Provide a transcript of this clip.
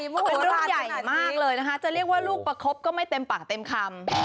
เป็นเรื่องใหญ่มากเลยนะคะจะเรียกว่าลูกประคบก็ไม่เต็มปากเต็มคำ